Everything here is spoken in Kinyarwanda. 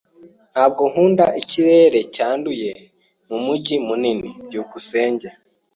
Ntabwo nkunda ikirere cyanduye mumijyi minini. byukusenge